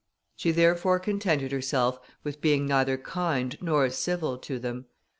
She therefore contented herself with being neither kind nor civil to them.